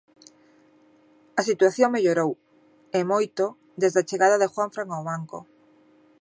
A situación mellorou, e moito, desde a chegada de Juanfran ao banco.